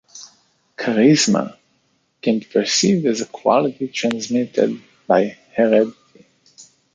Charisma can be perceived as "a quality transmitted by heredity".